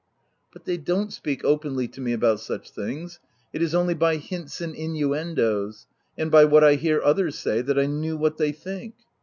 " But they don't speak openly to me about such things : it is only by hints and innuendoes, and by what I hear others say, that I know what they think.''